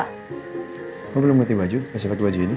kok belum ganti baju